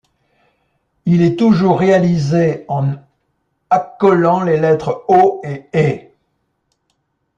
Il est toujours réalisé en accolant les lettres O et Ê.